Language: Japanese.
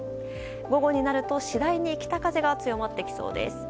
午後になると次第に北風が強まってきそうです。